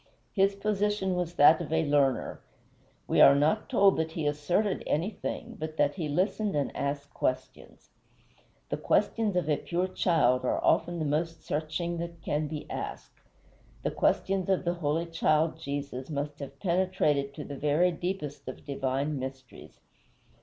His position was that of a learner; we are not told that he asserted anything, but that he listened and asked questions. The questions of a pure child are often the most searching that can be asked; the questions of the holy child Jesus must have penetrated to the very deepest of divine mysteries.